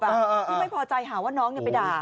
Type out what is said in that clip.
ที่ไม่พอใจหาว่าน้องไปด่า